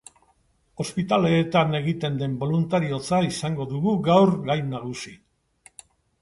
Ospitaleetan egiten den boluntariotza izango dugu gaur gai nagusi.